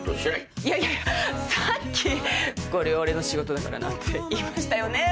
いやいやさっき「これ俺の仕事だからな」って言いましたよね？